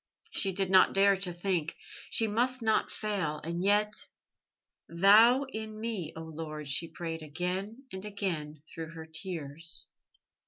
She did not dare to think. She must not fail and yet .... "Thou in me, O Lord," she prayed again and again through her tears.